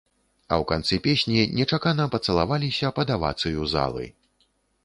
А ў канцы песні нечакана пацалаваліся пад авацыю залы.